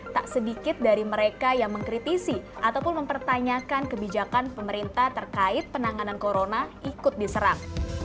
tak sedikit dari mereka yang mengkritisi ataupun mempertanyakan kebijakan pemerintah terkait penanganan corona ikut diserang